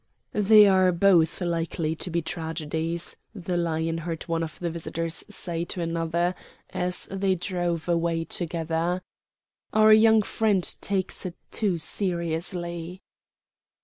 "They are both likely to be tragedies," the Lion heard one of the visitors say to another, as they drove away together. "Our young friend takes it too seriously."